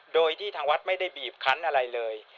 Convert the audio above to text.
โดยที่ทางวัดไม่ได้บีบคันอะไรเลย